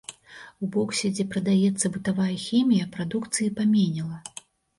У боксе, дзе прадаецца бытавая хімія прадукцыі паменела.